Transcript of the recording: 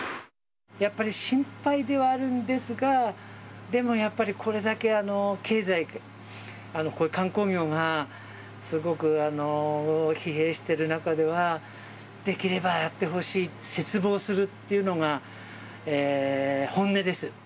やっぱり心配ではあるんですが、でもやっぱりこれだけ経済、観光業がすごくもう疲弊している中では、できればやってほしい、切望するっていうのが、本音です。